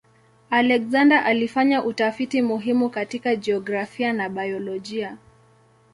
Alexander alifanya utafiti muhimu katika jiografia na biolojia.